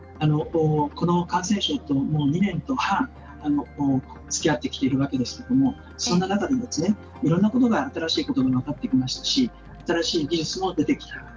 この感染症と、もう２年半つきあってきているわけですけれども、そんな中でもいろんなことが新しいことが分かってきましたし新しい技術も出てきた。